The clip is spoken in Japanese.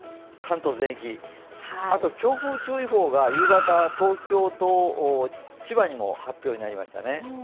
関東全域、あと強風注意報が夕方、東京と千葉にも発表になりましたね。